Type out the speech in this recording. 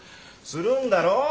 するんだろ？